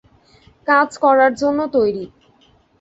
কাজ করার জন্য তৈরি।